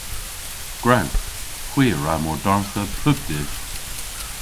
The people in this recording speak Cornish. Gwrewgh! Hwi a wra mordardha pub dydh.